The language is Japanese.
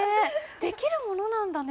できるものなんだね。